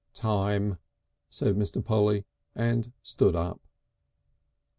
"Time!" said Mr. Polly, and stood up.